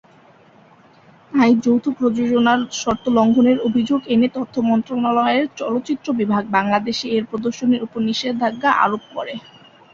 তাই যৌথ প্রযোজনার শর্ত লঙ্ঘনে’র অভিযোগ এনে তথ্য মন্ত্রনালয়ের "চলচ্চিত্র বিভাগ" বাংলাদেশে এর প্রদর্শনীর ওপর নিষেধাজ্ঞা আরোপ করে।